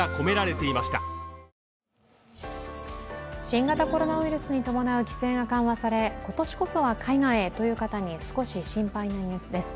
新型コロナウイルスに伴う規制が緩和され今年こそは海外へという方に少し心配なニュースです。